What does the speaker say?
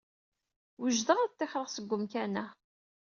Wejdeɣ ad ṭṭixreɣ seg umkan-a.